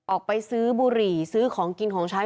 ออกไปซื้อบุหรี่ซื้อของกินของใช้